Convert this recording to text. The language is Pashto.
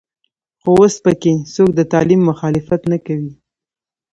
خو اوس په کې څوک د تعلیم مخالفت نه کوي.